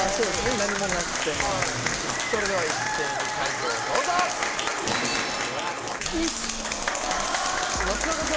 何もなくてまわりにそれでは一斉に解答をどうぞうわこれなすなかさん